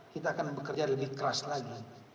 kita akan bekerja lebih keras lagi